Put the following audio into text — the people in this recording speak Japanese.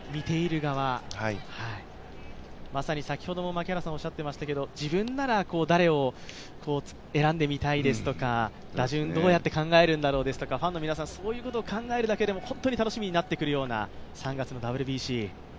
まさに先ほども槙原さんがおっしゃっていましたが、自分なら誰を選んでみたいですとか打順どうやって考えるんだろうですとか、ファンの皆さんそういうことを考えるだけでも本当に楽しみになってくるような３月のＷＢＣ。